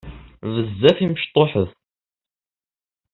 Bezzaf i mecṭuḥet.